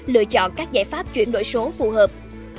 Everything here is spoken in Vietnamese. lựa chọn các giải pháp chuyển đổi số phù hợp